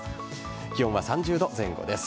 気温は３０度前後です。